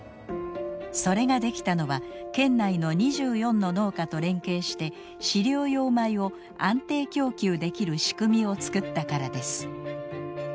それができたのは県内の２４の農家と連携して飼料用米を安定供給できる仕組みを作ったからです。